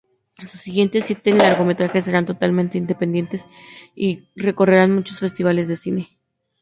Sus siguientes siete largometrajes serán totalmente independientes y recorrerán muchos festivales de cine.